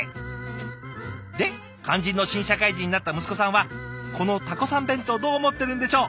で肝心の新社会人になった息子さんはこのタコさん弁当どう思ってるんでしょう？